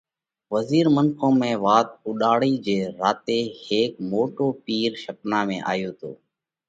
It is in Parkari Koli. وزِير منکون ۾ وات اُوڏاڙئِي جي راتي هيڪ موٽو پِير شپنا ۾ آيو تو